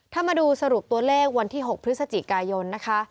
ถ้ามาดูสรุปตัวเลขวันที่๖พฤศจิกายนนะคะ